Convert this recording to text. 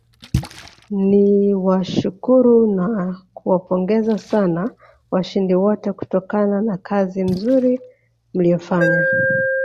Niwashukuru na kuwapongeza sana washindi wote kutokana na kazi nzuri mliyoifanya